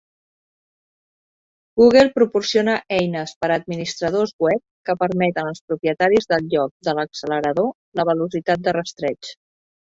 Google proporciona "eines per a administradors web" que permeten als propietaris del lloc de l'accelerador la velocitat de rastreig.